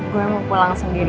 gue mau pulang sendiri